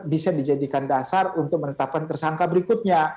bisa dijadikan dasar untuk menetapkan tersangka berikutnya